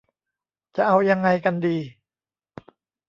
จะเอายังไงกันดี ?